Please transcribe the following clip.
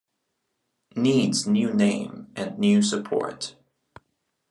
Needs New Name and New Support.